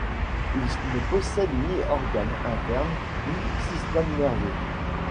Il ne possède ni organes internes, ni système nerveux.